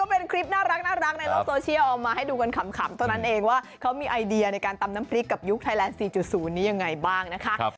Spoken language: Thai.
ผมถามเท่านั้นเองว่าเขามีไอเดียในการตำน้ำพริกกับยุคไทยแลนด์๔๐นี้ยังไงบ้างนะคะ